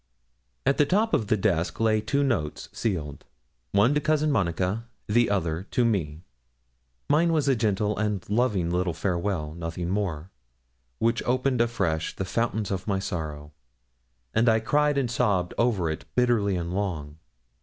At the top of the desk lay two notes sealed, one to Cousin Monica, the other to me. Mine was a gentle and loving little farewell nothing more which opened afresh the fountains of my sorrow, and I cried and sobbed over it bitterly and long.